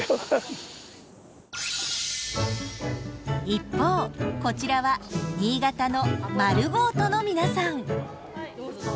一方こちらは新潟の「まるごーと」の皆さん。